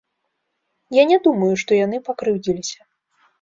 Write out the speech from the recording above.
Я не думаю, што яны пакрыўдзіліся.